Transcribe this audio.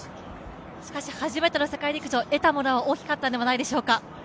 しかし、初めての世界陸上得たものは大きかったんじゃないでしょうか。